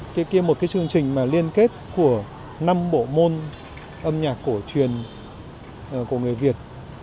thế kia một cái chương trình mà liên kết của năm bộ môn âm nhạc cổ truyền của người việt